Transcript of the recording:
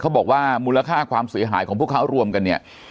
เขาบอกว่ามูลค่าความเสียหายของพวกเขาร่วมกันเนี่ย